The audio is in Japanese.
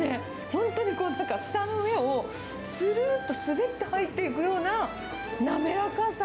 本当に舌の上をするーっと滑って入っていくようななめらかさ。